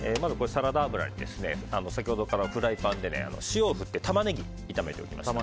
サラダ油に先ほどからフライパンで塩を振ってタマネギ炒めておきました。